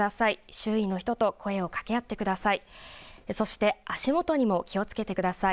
周囲の人と声をかけ合ってください。